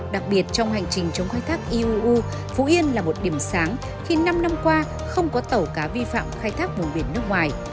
đặc biệt trong hành trình chống khai thác iuu phú yên là một điểm sáng khi năm năm qua không có tàu cá vi phạm khai thác vùng biển nước ngoài